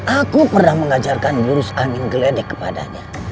aku pernah mengajarkan jurus angin geledek kepadanya